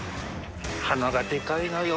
鼻がでかいのよ